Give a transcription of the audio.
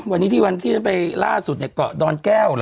วันนี้ที่วันที่ฉันไปล่าสุดเนี่ยเกาะดอนแก้วเหรอ